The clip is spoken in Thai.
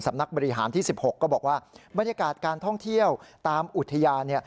นักบริหารที่๑๖ก็บอกว่าบรรยากาศการท่องเที่ยวตามอุทยาน